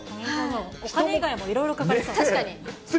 お金以外もいろいろかかりそ確かに。